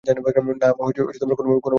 না, কোনোভাবেই নয়।